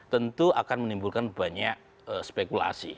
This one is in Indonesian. tentu akan menimbulkan banyak spekulasi